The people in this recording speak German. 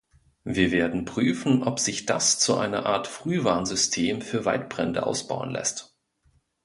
Wir werden prüfen, ob sich das zu einer Art Frühwarnsystem für Waldbrände ausbauen lässt.